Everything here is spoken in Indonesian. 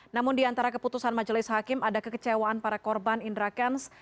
namun di antara keputusan majelis hakim ada kekecewaan para korban indra kents